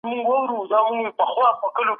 ایا راتلونکی به تر نن ښه وي؟